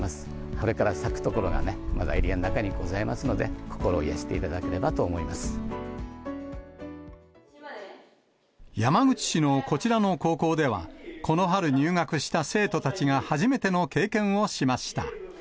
これから咲く所がまだエリアの中にございますので、心を癒やして山口市のこちらの高校では、この春、入学した生徒たちが初めての経験をしました。